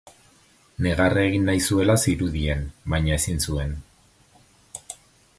Negar egin nahi zuela zirudien, baina ezin zuen.